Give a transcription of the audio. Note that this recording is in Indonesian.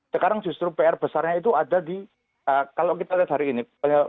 sekarang justru pr besarnya itu ada di kalau kita lihat hari ini